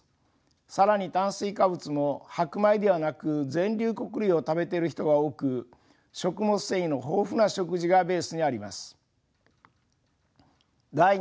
更に炭水化物も白米ではなく全粒穀類を食べているヒトが多く食物繊維の豊富な食事がベースにあります。